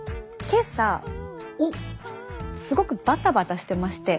今朝すごくバタバタしてまして。